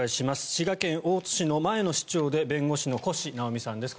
滋賀県大津市の前の市長で弁護士の越直美さんです。